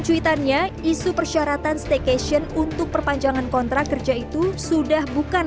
cuitannya isu persyaratan staycation untuk perpanjangan kontrak kerja itu sudah bukan